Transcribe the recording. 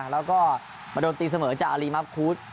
แล้วก็มาโดนตีเสมอจากอารีมับคูด